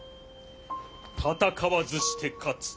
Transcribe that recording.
戦わずして勝つ。